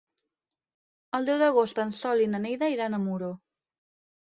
El deu d'agost en Sol i na Neida iran a Muro.